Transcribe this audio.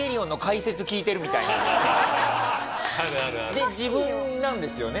で自分なんですよね？